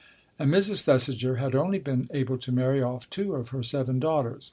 And Mrs. Thesiger had only been able to marry off two of her seven daughters.